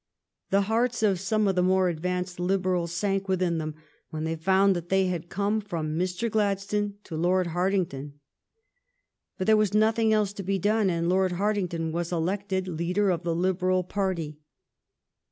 The hearts of some of the more advanced Liberals sank within them when they found that they had come from Mr. Gladstone to Lord Hartington. But there was nothing else to be done, and Lord Hartington was elected leader of the Liberal party.